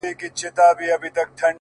چي يو ځل بيا څوک په واه _واه سي راته _